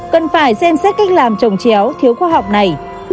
cần phải xem xét cách làm trồng chéo thiếu khoa học này